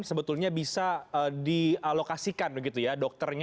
sebetulnya bisa dialokasikan dokternya